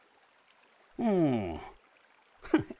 うんフッ